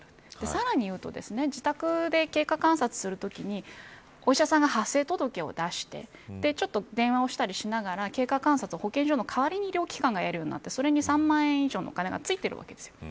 さらに言うと、自宅で結果を経過観察をするときにお医者さんが、発生届を出してちょっと電話したりしながら経過観察を保健所の代わりに医療機関がやるようになってそれに３万円以上の金がついているわけです。